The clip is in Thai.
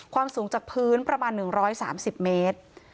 สูงจากพื้นประมาณ๑๓๐เมตร